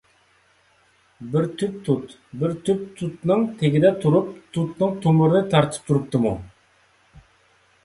بىر تۈپ تۇت، بىر تۈپ تۇتنىڭ تېگىدە تۇرۇپ، تۇتنىڭ تۇمۇرىنى تارتىپ تۇرۇپتىمۇ؟